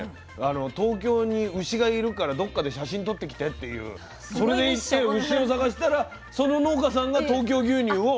東京に牛がいるからどっかで写真撮ってきてっていうそれで行って牛を探したらその農家さんが東京牛乳を。